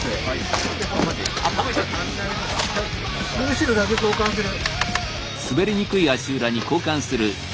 後ろだけ交換する。